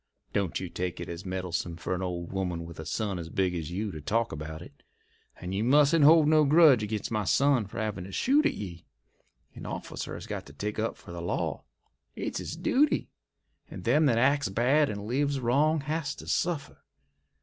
Don't you take it as meddlesome fer an old woman with a son as big as you to talk about it. And you mustn't hold no grudge ag'in' my son for havin' to shoot at ye. A officer has got to take up for the law—it's his duty—and them that acts bad and lives wrong has to suffer.